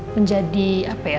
menjadi apa ya